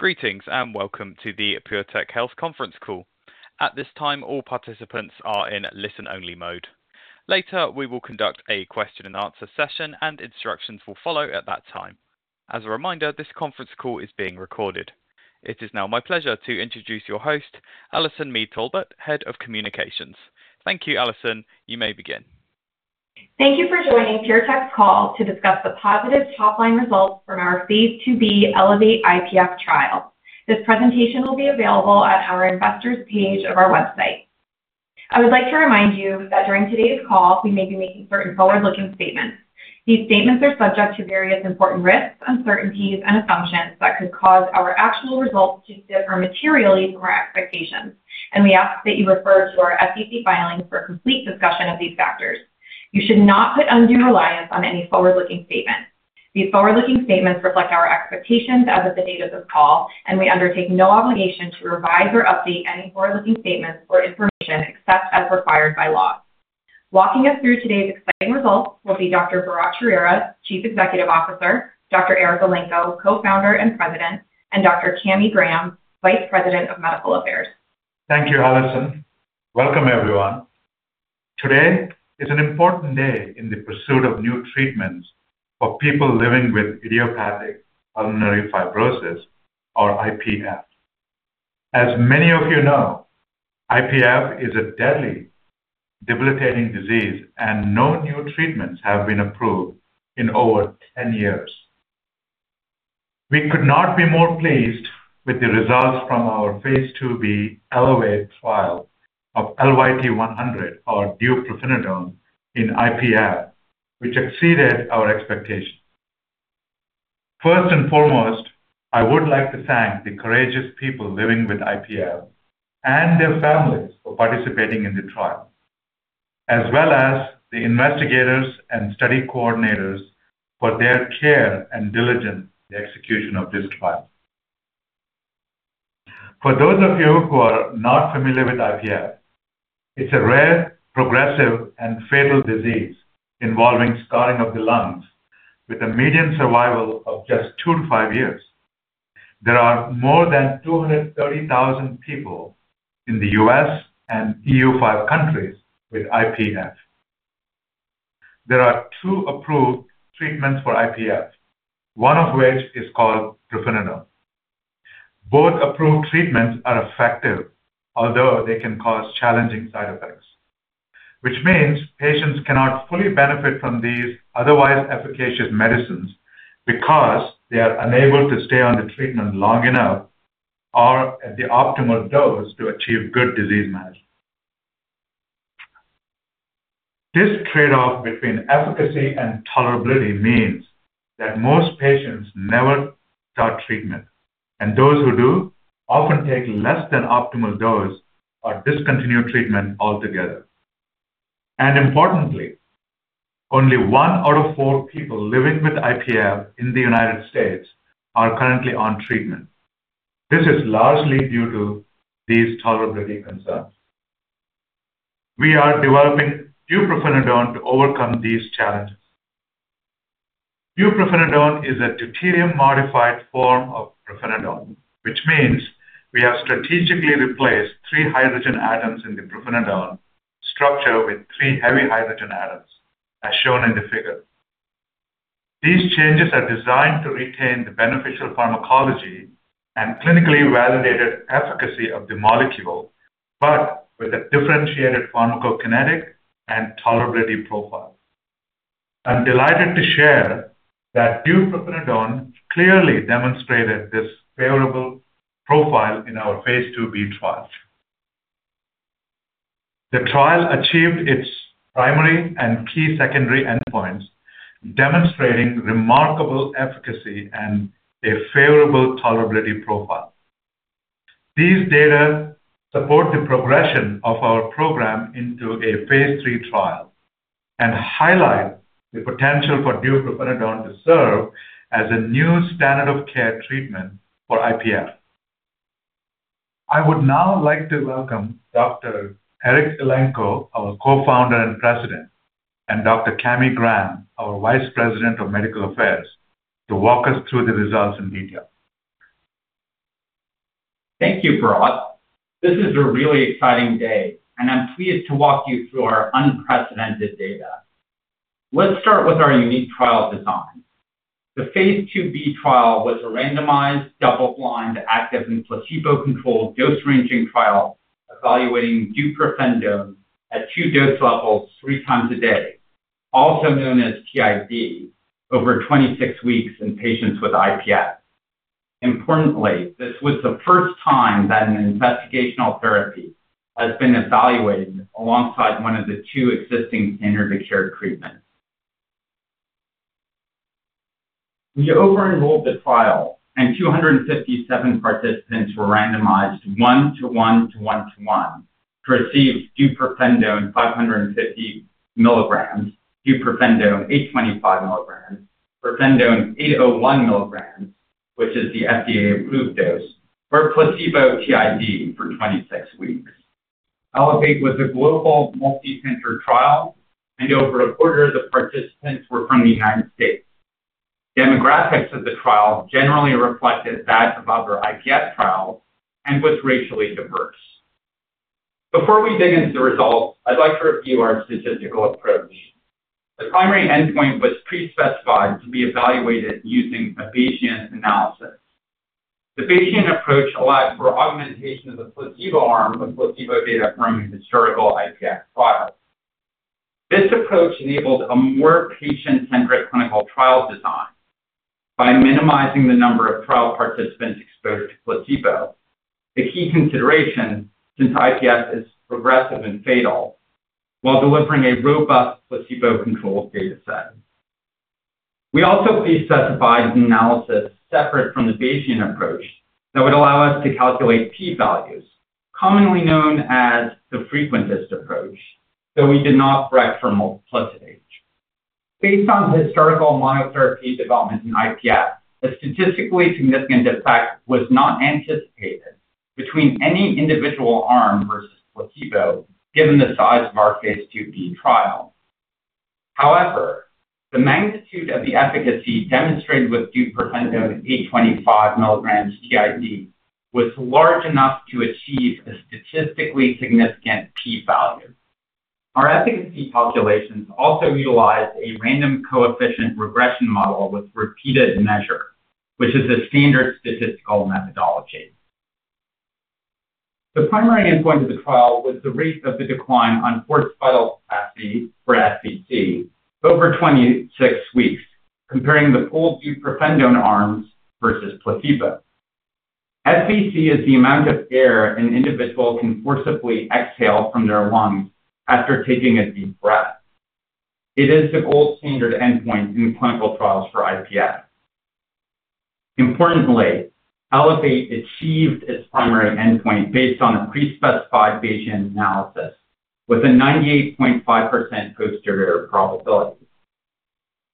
Greetings and welcome to the PureTech Health Conference Call. At this time, all participants are in listen-only mode. Later, we will conduct a question-and-answer session, and instructions will follow at that time. As a reminder, this conference call is being recorded. It is now my pleasure to introduce your host, Allison Mead Talbot, Head of Communications. Thank you, Allison. You may begin. Thank you for joining PureTech's call to discuss the positive top-line results from our Phase 2b ELEVATE IPF trial. This presentation will be available at our investors' page of our website. I would like to remind you that during today's call, we may be making certain forward-looking statements. These statements are subject to various important risks, uncertainties, and assumptions that could cause our actual results to differ materially from our expectations, and we ask that you refer to our SEC filings for a complete discussion of these factors. You should not put undue reliance on any forward-looking statements. These forward-looking statements reflect our expectations as of the date of this call, and we undertake no obligation to revise or update any forward-looking statements or information except as required by law. Walking us through today's exciting results will be Dr. Bharatt Chowrira, Chief Executive Officer; Dr. Eric Elenko, Co-founder and President, and Dr. Cammie Graham, Vice President of Medical Affairs. Thank you, Allison. Welcome, everyone. Today is an important day in the pursuit of new treatments for people living with idiopathic pulmonary fibrosis, or IPF. As many of you know, IPF is a deadly, debilitating disease, and no new treatments have been approved in over 10 years. We could not be more pleased with the results from our Phase 2b ELEVATE trial of LYT-100, or deupirfenidone, in IPF, which exceeded our expectations. First and foremost, I would like to thank the courageous people living with IPF and their families for participating in the trial, as well as the investigators and study coordinators for their care and diligence in the execution of this trial. For those of you who are not familiar with IPF, it's a rare, progressive, and fatal disease involving scarring of the lungs, with a median survival of just two to five years. There are more than 230,000 people in the U.S. and EU five countries with IPF. There are two approved treatments for IPF, one of which is called deupirfenidone. Both approved treatments are effective, although they can cause challenging side effects, which means patients cannot fully benefit from these otherwise efficacious medicines because they are unable to stay on the treatment long enough or at the optimal dose to achieve good disease management. This trade-off between efficacy and tolerability means that most patients never start treatment, and those who do often take less than optimal dose or discontinue treatment altogether. And importantly, only one out of four people living with IPF in the United States are currently on treatment. This is largely due to these tolerability concerns. We are developing deupirfenidone to overcome these challenges. deupirfenidone is a deuterium-modified form of pirfenidone, which means we have strategically replaced three hydrogen atoms in the pirfenidone structure with three heavy hydrogen atoms, as shown in the figure. These changes are designed to retain the beneficial pharmacology and clinically validated efficacy of the molecule, but with a differentiated pharmacokinetic and tolerability profile. I'm delighted to share that deupirfenidone clearly demonstrated this favorable profile in our Phase 2b trial. The trial achieved its primary and key secondary endpoints, demonstrating remarkable efficacy and a favorable tolerability profile. These data support the progression of our program into a Phase 3 trial and highlight the potential for deupirfenidone to serve as a new standard of care treatment for IPF. I would now like to welcome Dr. Eric Elenko, our co-founder and President, and Dr. Cami Graham, our Vice President of Medical Affairs, to walk us through the results in detail. Thank you, Bharatt. This is a really exciting day, and I'm pleased to walk you through our unprecedented data. Let's start with our unique trial design. The Phase 2b trial was a randomized, double-blind, active, and placebo-controlled dose-ranging trial evaluating deupirfenidone at two dose levels three times a day, also known as TID, over 26 weeks in patients with IPF. Importantly, this was the first time that an investigational therapy has been evaluated alongside one of the two existing standard-of-care treatments. We over-enrolled the trial, and 257 participants were randomized 1:1:1:1 to receive deupirfenidone 550 mg, deupirfenidone 825 mg, pirfenidone 801 mg, which is the FDA-approved dose, or placebo TID for 26 weeks. ELEVATE was a global multicenter trial, and over a quarter of the participants were from the United States. Demographics of the trial generally reflected that of other IPF trials and was racially diverse. Before we dig into the results, I'd like to review our statistical approach. The primary endpoint was pre-specified to be evaluated using a Bayesian analysis. The Bayesian approach allowed for augmentation of the placebo arm of placebo data from a historical IPF trial. This approach enabled a more patient-centric clinical trial design by minimizing the number of trial participants exposed to placebo, a key consideration since IPF is progressive and fatal while delivering a robust placebo-controlled data set. We also pre-specified an analysis separate from the Bayesian approach that would allow us to calculate p-values, commonly known as the frequentist approach, though we did not correct for multiplicity. Based on historical monotherapy development in IPF, a statistically significant effect was not anticipated between any individual arm versus placebo given the size of our Phase 2b trial. However, the magnitude of the efficacy demonstrated with deupirfenidone 825 mg TID was large enough to achieve a statistically significant p-value. Our efficacy calculations also utilized a random coefficient regression model with repeated measure, which is a standard statistical methodology. The primary endpoint of the trial was the rate of the decline on forced vital capacity or FVC over 26 weeks, comparing the full deupirfenidone arms versus placebo. FVC is the amount of air an individual can forcibly exhale from their lungs after taking a deep breath. It is the gold standard endpoint in clinical trials for IPF. Importantly, ELEVATE achieved its primary endpoint based on a pre-specified Bayesian analysis with a 98.5% posterior probability.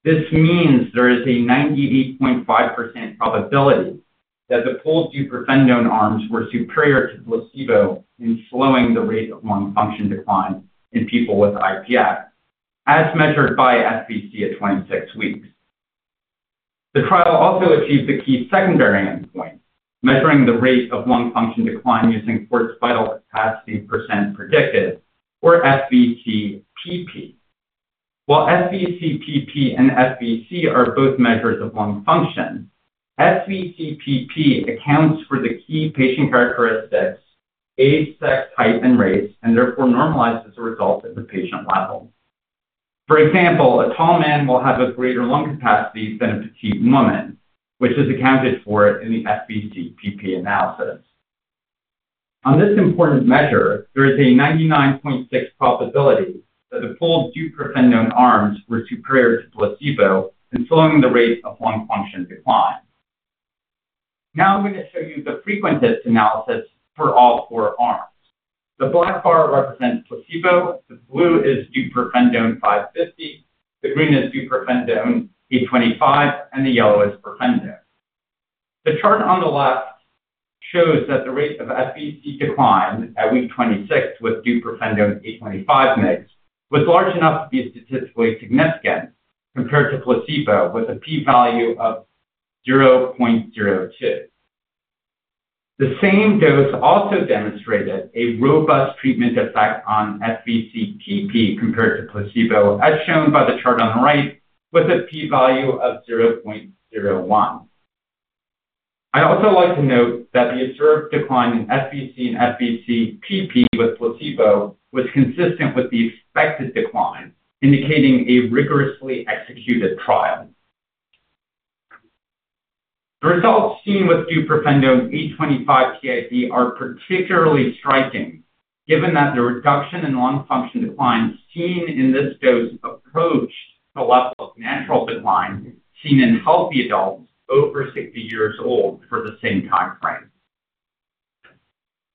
This means there is a 98.5% probability that the full deupirfenidone arms were superior to placebo in slowing the rate of lung function decline in people with IPF, as measured by FVC at 26 weeks. The trial also achieved the key secondary endpoint, measuring the rate of lung function decline using forced vital capacity percent predicted, or FVCpp. While FVCpp and FVC are both measures of lung function, FVCpp accounts for the key patient characteristics, age, sex, height, and race, and therefore normalizes the results at the patient level. For example, a tall man will have a greater lung capacity than a petite woman, which is accounted for in the FVCpp analysis. On this important measure, there is a 99.6% probability that the full deupirfenidone arms were superior to placebo in slowing the rate of lung function decline. Now I'm going to show you the frequentist analysis for all four arms. The black bar represents placebo, the blue is deupirfenidone 550, the green is deupirfenidone 825, and the yellow is pirfenidone. The chart on the left shows that the rate of FVC decline at week 26 with deupirfenidone 825 mg was large enough to be statistically significant compared to placebo, with a p-value of 0.02. The same dose also demonstrated a robust treatment effect on FVCpp compared to placebo, as shown by the chart on the right, with a p-value of 0.01. I'd also like to note that the observed decline in FVC and FVCpp with placebo was consistent with the expected decline, indicating a rigorously executed trial. The results seen with deupirfenidone 825 TID are particularly striking, given that the reduction in lung function decline seen in this dose approached the level of natural decline seen in healthy adults over 60 years old for the same timeframe.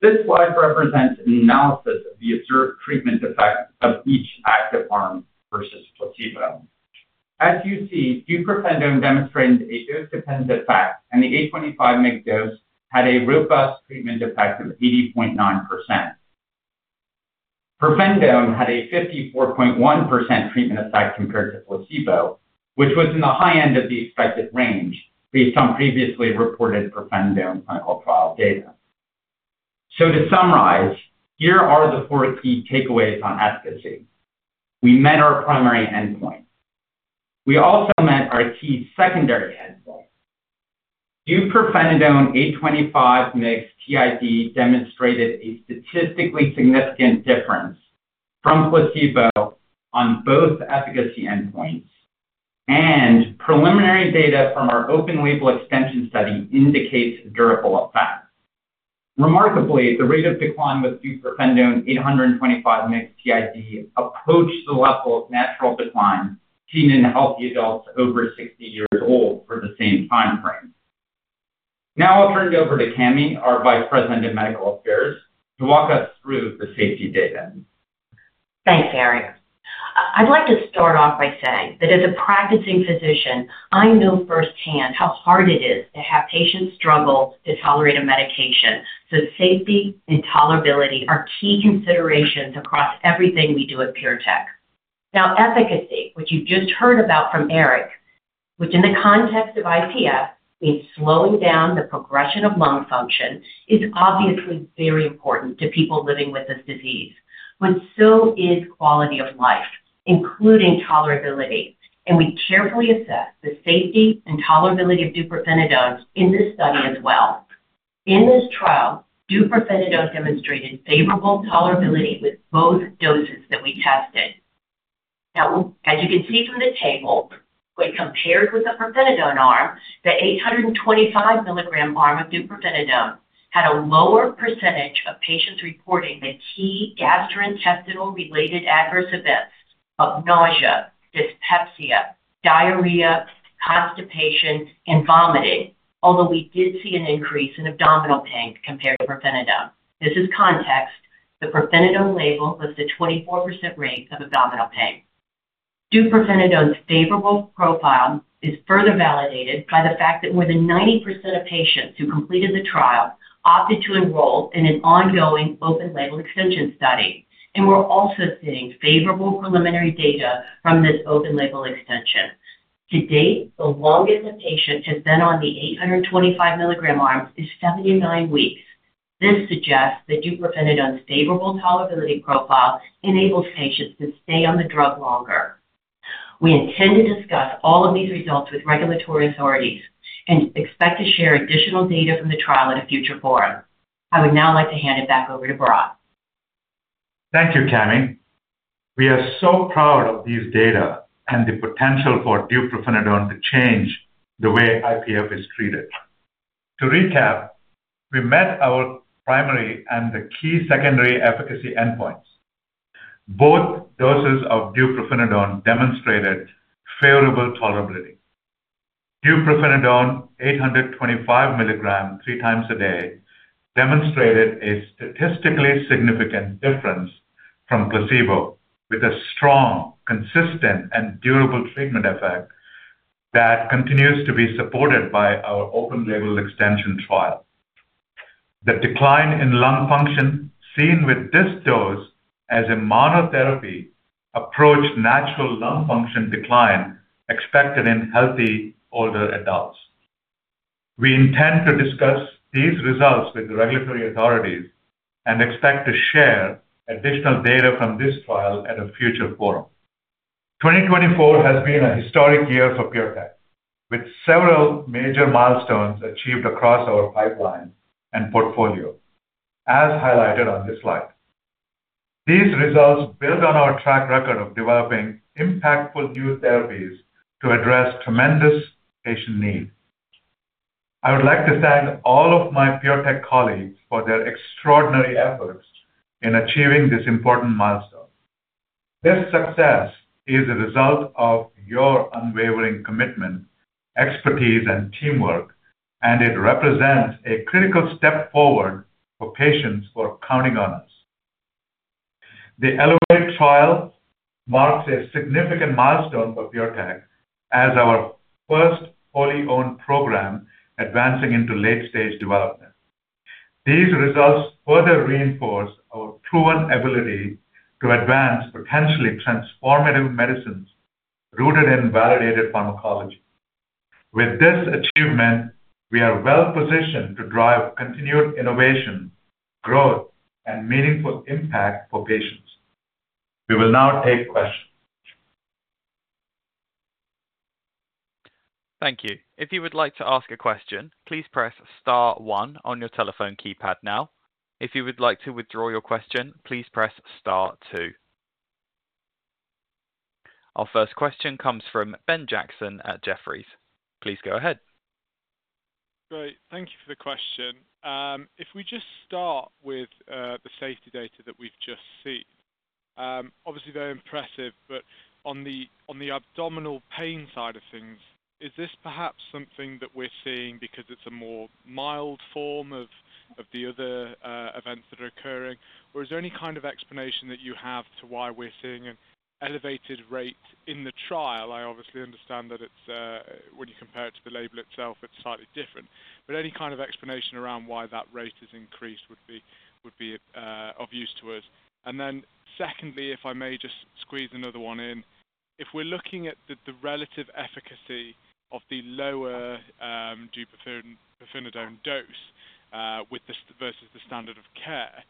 This slide represents an analysis of the observed treatment effect of each active arm versus placebo. As you see, deupirfenidone demonstrated a dose-dependent effect, and the 825 mg dose had a robust treatment effect of 80.9%. deupirfenidone had a 54.1% treatment effect compared to placebo, which was in the high end of the expected range based on previously reported deupirfenidone clinical trial data. So to summarize, here are the four key takeaways on efficacy. We met our primary endpoint. We also met our key secondary endpoint. deupirfenidone 825 mg TID demonstrated a statistically significant difference from placebo on both efficacy endpoints, and preliminary data from our open-label extension study indicates durable effects. Remarkably, the rate of decline with deupirfenidone 825 mg TID approached the level of natural decline seen in healthy adults over 60 years old for the same timeframe. Now I'll turn it over to Cami, our Vice President of Medical Affairs, to walk us through the safety data. Thanks, Eric. I'd like to start off by saying that as a practicing physician, I know firsthand how hard it is to have patients struggle to tolerate a medication. So safety and tolerability are key considerations across everything we do at PureTech. Now, efficacy, which you just heard about from Eric, which in the context of IPF means slowing down the progression of lung function, is obviously very important to people living with this disease. But so is quality of life, including tolerability, and we carefully assessed the safety and tolerability of deupirfenidone in this study as well. In this trial, deupirfenidone demonstrated favorable tolerability with both doses that we tested. Now, as you can see from the table, when compared with the pirfenidone arm, the 825 mg arm of deupirfenidone had a lower percentage of patients reporting the key gastrointestinal-related adverse events of nausea, dyspepsia, diarrhea, constipation, and vomiting, although we did see an increase in abdominal pain compared to pirfenidone. This is context. The pirfenidone label was the 24% rate of abdominal pain. deupirfenidone's favorable profile is further validated by the fact that more than 90% of patients who completed the trial opted to enroll in an ongoing open-label extension study, and we're also seeing favorable preliminary data from this open-label extension. To date, the longest a patient has been on the 825 mg arm is 79 weeks. This suggests that deupirfenidone's favorable tolerability profile enables patients to stay on the drug longer. We intend to discuss all of these results with regulatory authorities and expect to share additional data from the trial at a future forum. I would now like to hand it back over to Bharatt. Thank you, Cammie. We are so proud of these data and the potential for deupirfenidone to change the way IPF is treated. To recap, we met our primary and the key secondary efficacy endpoints. Both doses of deupirfenidone demonstrated favorable tolerability. deupirfenidone 825 mg three times a day demonstrated a statistically significant difference from placebo, with a strong, consistent, and durable treatment effect that continues to be supported by our open-label extension trial. The decline in lung function seen with this dose as a monotherapy approached natural lung function decline expected in healthy older adults. We intend to discuss these results with the regulatory authorities and expect to share additional data from this trial at a future forum. 2024 has been a historic year for PureTech, with several major milestones achieved across our pipeline and portfolio, as highlighted on this slide. These results build on our track record of developing impactful new therapies to address tremendous patient need. I would like to thank all of my PureTech colleagues for their extraordinary efforts in achieving this important milestone. This success is a result of your unwavering commitment, expertise, and teamwork, and it represents a critical step forward for patients who are counting on us. The Elevate trial marks a significant milestone for PureTech as our first fully-owned program advancing into late-stage development. These results further reinforce our proven ability to advance potentially transformative medicines rooted in validated pharmacology. With this achievement, we are well-positioned to drive continued innovation, growth, and meaningful impact for patients. We will now take questions. Thank you. If you would like to ask a question, please press star one on your telephone keypad now. If you would like to withdraw your question, please press star two. Our first question comes from Ben Jackson at Jefferies. Please go ahead. Great. Thank you for the question. If we just start with the safety data that we've just seen, obviously very impressive, but on the abdominal pain side of things, is this perhaps something that we're seeing because it's a more mild form of the other events that are occurring, or is there any kind of explanation that you have to why we're seeing an elevated rate in the trial? I obviously understand that when you compare it to the label itself, it's slightly different. But any kind of explanation around why that rate is increased would be of use to us. And then secondly, if I may just squeeze another one in, if we're looking at the relative efficacy of the lower deupirfenidone dose versus the standard of care,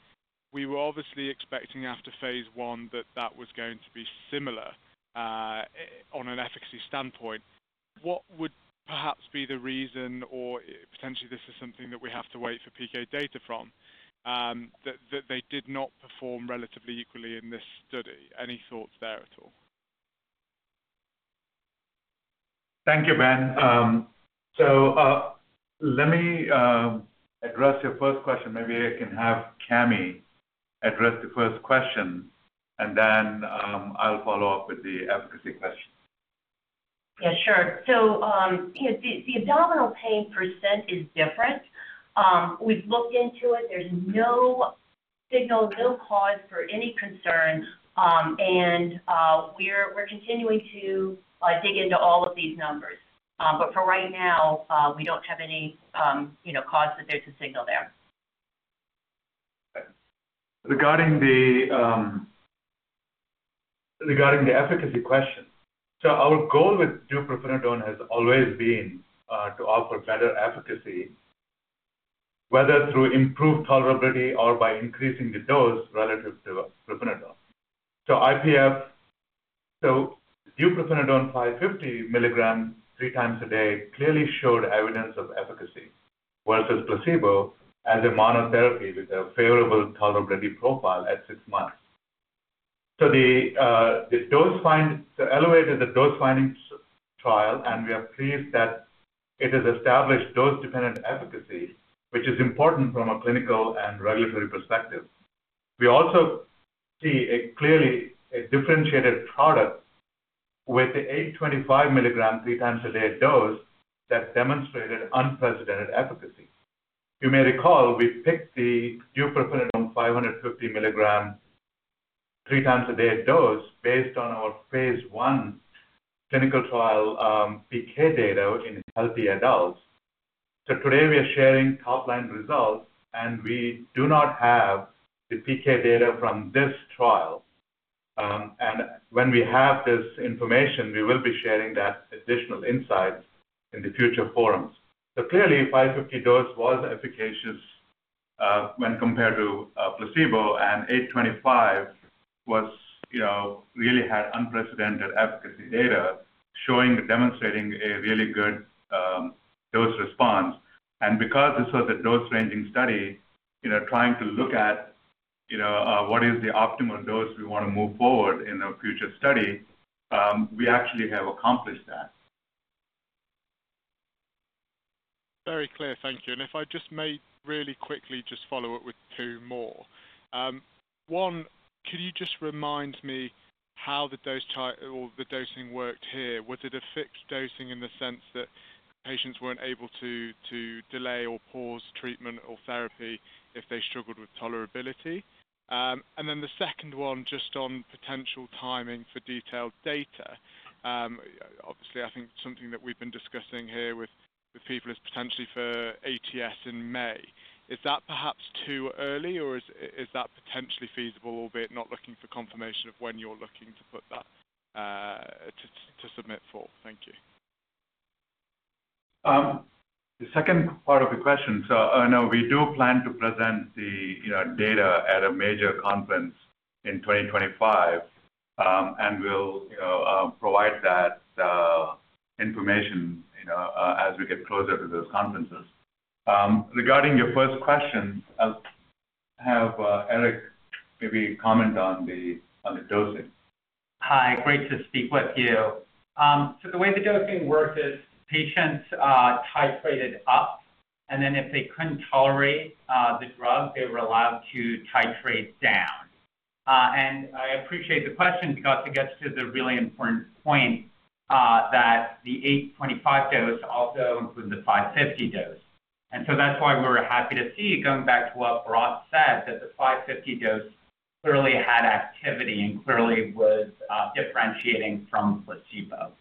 we were obviously expecting after Phase 1 that that was going to be similar on an efficacy standpoint. What would perhaps be the reason, or potentially this is something that we have to wait for PK data from, that they did not perform relatively equally in this study? Any thoughts there at all? Thank you, Ben. So let me address your first question. Maybe I can have Cami address the first question, and then I'll follow up with the efficacy question. Yeah, sure. So the abdominal pain percentage is different. We've looked into it. There's no signal, no cause for any concern. And we're continuing to dig into all of these numbers. But for right now, we don't have any cause that there's a signal there. Regarding the efficacy question, so our goal with deupirfenidone has always been to offer better efficacy, whether through improved tolerability or by increasing the dose relative to pirfenidone. So deupirfenidone 550 mg three times a day clearly showed evidence of efficacy versus placebo as a monotherapy with a favorable tolerability profile at six months. So the ELEVATE is a dose-finding trial, and we are pleased that it has established dose-dependent efficacy, which is important from a clinical and regulatory perspective. We also see clearly a differentiated product with the 825 mg three-times-a-day dose that demonstrated unprecedented efficacy. You may recall we picked the deupirfenidone 550 mg three-times-a-day dose based on our Phase 1 clinical trial PK data in healthy adults. So today we are sharing top-line results, and we do not have the PK data from this trial. When we have this information, we will be sharing that additional insight in the future forums. Clearly, 550 dose was efficacious when compared to placebo, and 825 really had unprecedented efficacy data showing and demonstrating a really good dose response. Because this was a dose-ranging study, trying to look at what is the optimal dose we want to move forward in a future study, we actually have accomplished that. Very clear. Thank you. And if I just may really quickly just follow up with two more. One, could you just remind me how the dosing worked here? Was it a fixed dosing in the sense that patients weren't able to delay or pause treatment or therapy if they struggled with tolerability? And then the second one, just on potential timing for detailed data. Obviously, I think something that we've been discussing here with people is potentially for ATS in May. Is that perhaps too early, or is that potentially feasible, albeit not looking for confirmation of when you're looking to submit for? Thank you. The second part of the question, so I know we do plan to present the data at a major conference in 2025, and we'll provide that information as we get closer to those conferences. Regarding your first question, I'll have Eric maybe comment on the dosing. Hi. Great to speak with you. So the way the dosing worked is patients titrated up, and then if they couldn't tolerate the drug, they were allowed to titrate down. And I appreciate the question because it gets to the really important point that the 825 dose also includes the 550 dose. And so that's why we were happy to see going back to what Bharatt said, that the 550 dose clearly had activity and clearly was differentiating from placebo.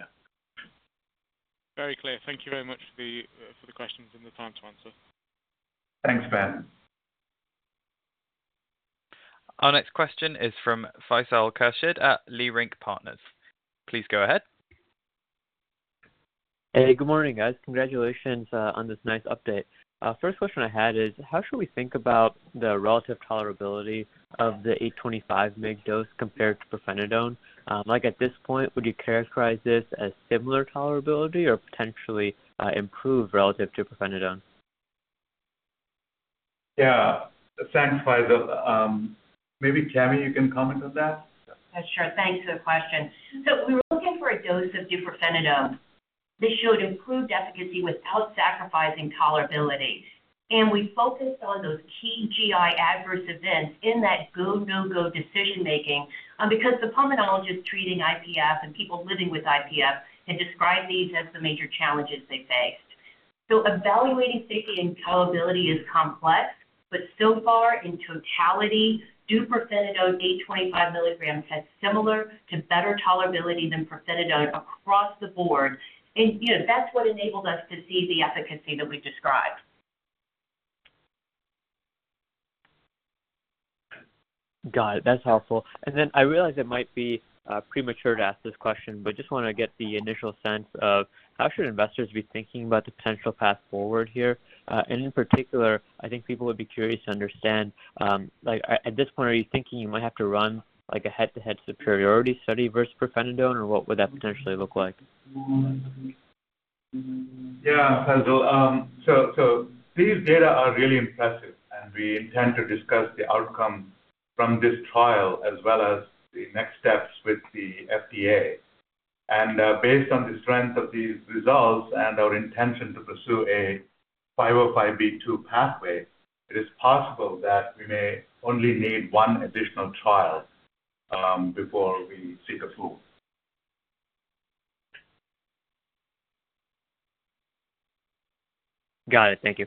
Yeah. Very clear. Thank you very much for the questions and the time to answer. Thanks, Ben. Our next question is from Faisal Khurshid at Leerink Partners. Please go ahead. Hey, good morning, guys. Congratulations on this nice update. First question I had is, how should we think about the relative tolerability of the 825-mg dose compared to pirfenidone? At this point, would you characterize this as similar tolerability or potentially improved relative to pirfenidone? Yeah. Thanks, Faisal. Maybe Cammie, you can comment on that? Sure. Thanks for the question. So we were looking for a dose of deupirfenidone that showed improved efficacy without sacrificing tolerability. And we focused on those key GI adverse events in that go-no-go decision-making because the pulmonologists treating IPF and people living with IPF had described these as the major challenges they faced. So evaluating safety and tolerability is complex, but so far, in totality, deupirfenidone 825 mg had similar to better tolerability than pirfenidone across the board. And that's what enabled us to see the efficacy that we described. Got it. That's helpful. And then I realize it might be premature to ask this question, but I just want to get the initial sense of how should investors be thinking about the potential path forward here? And in particular, I think people would be curious to understand, at this point, are you thinking you might have to run a head-to-head superiority study versus pirfenidone, or what would that potentially look like? Yeah, Faisal. So these data are really impressive, and we intend to discuss the outcome from this trial as well as the next steps with the FDA. And based on the strength of these results and our intention to pursue a 505(b)(2) pathway, it is possible that we may only need one additional trial before we see the full. Got it. Thank you.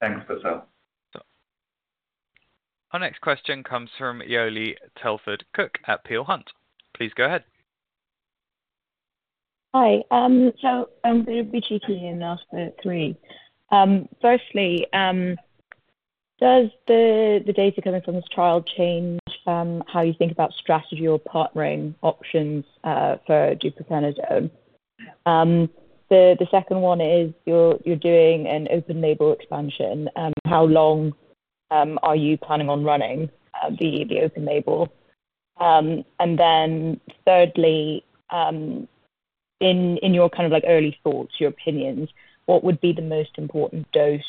Thanks, Faisal. Our next question comes from Leolie Telford-Cooke at Peel Hunt. Please go ahead. Hi. So I'm going to be cheeky and ask the three. Firstly, does the data coming from this trial change how you think about strategy or partnering options for deupirfenidone? The second one is you're doing an open-label extension. How long are you planning on running the open-label extension? And then thirdly, in your kind of early thoughts, your opinions, what would be the most important dose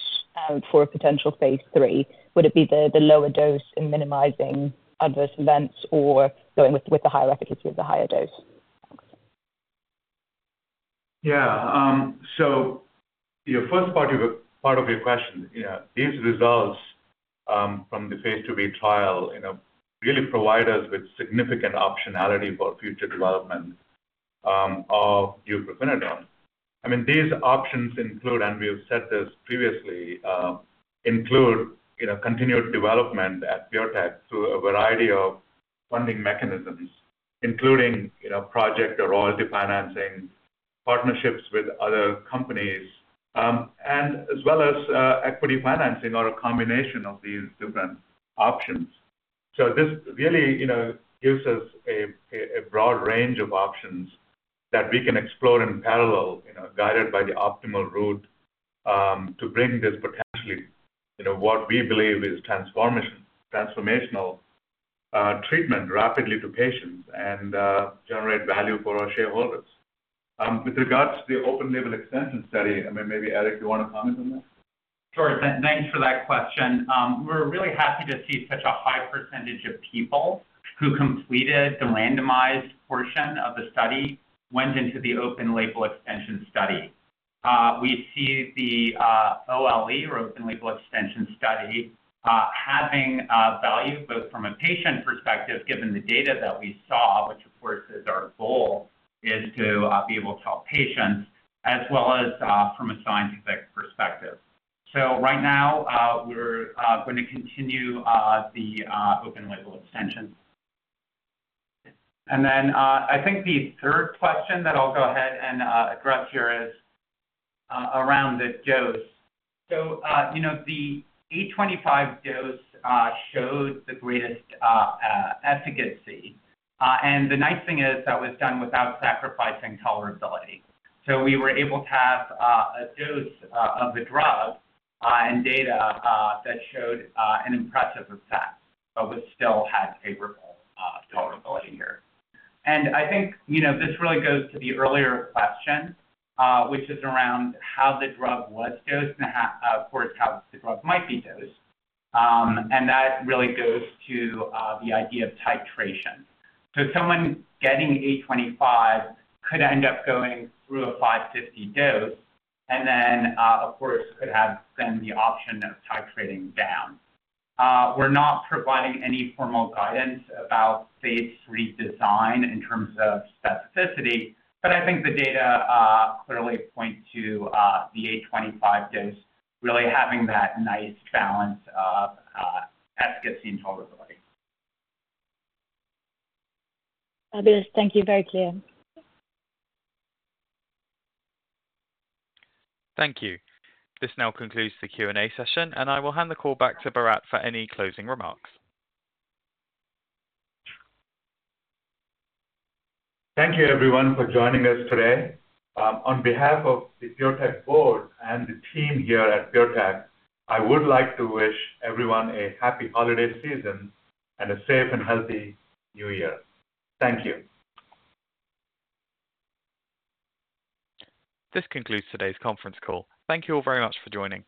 for a potential Phase 3? Would it be the lower dose in minimizing adverse events or going with the higher efficacy of the higher dose? Yeah. So first part of your question, these results from the Phase 3 trial really provide us with significant optionality for future development of deupirfenidone. I mean, these options include, and we've said this previously, include continued development at PureTech through a variety of funding mechanisms, including project or royalty financing, partnerships with other companies, and as well as equity financing or a combination of these different options. So this really gives us a broad range of options that we can explore in parallel, guided by the optimal route to bring this potentially what we believe is transformational treatment rapidly to patients and generate value for our shareholders. With regards to the open-label extension study, I mean, maybe Eric, you want to comment on that? Sure. Thanks for that question. We're really happy to see such a high percentage of people who completed the randomized portion of the study went into the open-label extension study. We see the OLE, or open-label extension study, having value both from a patient perspective given the data that we saw, which of course is our goal, is to be able to help patients, as well as from a scientific perspective, so right now, we're going to continue the open-label extension, and then I think the third question that I'll go ahead and address here is around the dose, so the 825 dose showed the greatest efficacy, and the nice thing is that was done without sacrificing tolerability, so we were able to have a dose of the drug and data that showed an impressive effect, but we still had favorable tolerability here. I think this really goes to the earlier question, which is around how the drug was dosed and, of course, how the drug might be dosed. That really goes to the idea of titration. Someone getting 825 could end up going through a 550 dose and then, of course, could have then the option of titrating down. We're not providing any formal guidance about Phase 3 design in terms of specificity, but I think the data clearly point to the 825 dose really having that nice balance of efficacy and tolerability. Fabulous. Thank you. Very clear. Thank you. This now concludes the Q&A session, and I will hand the call back to Bharatt for any closing remarks. Thank you, everyone, for joining us today. On behalf of the PureTech board and the team here at PureTech, I would like to wish everyone a happy holiday season and a safe and healthy New Year. Thank you. This concludes today's conference call. Thank you all very much for joining.